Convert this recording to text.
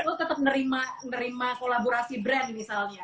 lo tetep nerima kolaborasi brand misalnya ya